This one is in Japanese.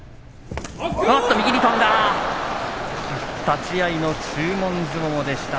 立ち合いの注文相撲でした。